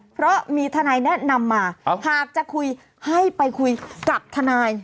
เพราะมีทนายแนะนำมาหากจะคุยให้ไปคุยกับทนาย